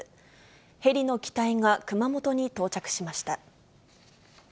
ヘリの機体が熊本に到着しました。